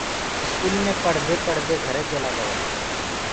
اسڪولي مي پڙهدي پڙهدي گھري چيلآ گوآ